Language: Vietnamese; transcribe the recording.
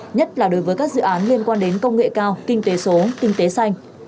nhất là đối với các dự án liên quan đến công nghệ cao kinh tế số kinh tế xanh